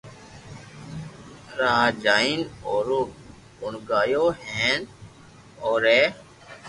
راھ جالين او رو گڻگايو ھين او ري